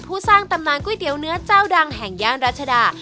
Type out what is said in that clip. สร้างตำนานก๋วยเตี๋ยวเนื้อเจ้าดังแห่งย่านรัชดา